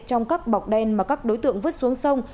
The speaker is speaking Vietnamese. trong các bọc đen mà các đối tượng vứt xuống sông